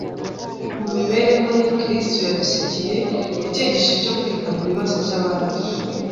Mu mibereho ye, Kristo yadusigiye icyigisho cyo kwita ku bibazo by’abandi.